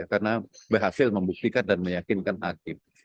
karena berhasil membuktikan dan meyakinkan hakim